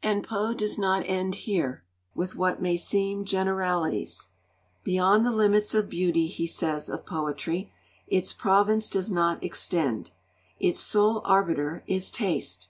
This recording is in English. And Poe does not end here, with what may seem generalities. 'Beyond the limits of beauty,' he says of poetry, 'its province does not extend. Its sole arbiter is Taste.